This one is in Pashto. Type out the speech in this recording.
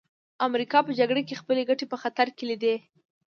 امریکا په جګړه کې خپلې ګټې په خطر کې لیدې